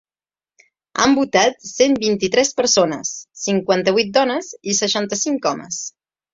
Han votat cent vint-i-tres persones! cinquanta-vuit dones i seixanta-cinc homes.